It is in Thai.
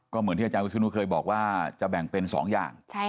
เหมือนที่อาจารย์วิศนุเคยบอกว่าจะแบ่งเป็น๒อย่าง